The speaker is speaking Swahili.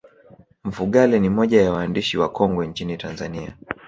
mfugale ni moja ya waandisi wakongwe nchini tanzania